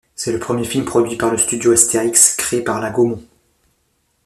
C'est le premier film produit par le studio Astérix créé par la Gaumont.